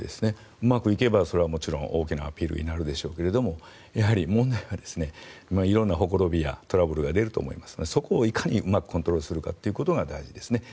うまくいけば大きなアピールになるでしょうけどもやはり問題は色んなほころびやトラブルが出ると思いますのでそこをいかにうまくコントロールするかということが大事ですね。